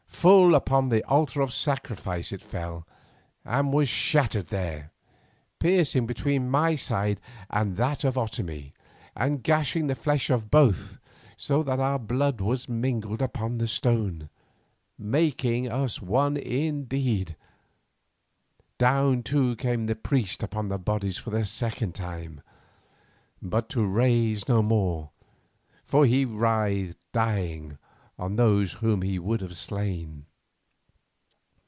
Full upon the altar of sacrifice it fell and was shattered there, piercing between my side and that of Otomie, and gashing the flesh of both so that our blood was mingled upon the stone, making us one indeed. Down too came the priest across our bodies for the second time, but to rise no more, for he writhed dying on those whom he would have slain.